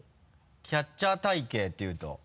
キャッチャー体形っていうと？